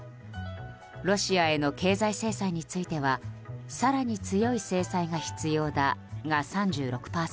ロシアへの経済制裁については更に強い制裁が必要だ、が３６％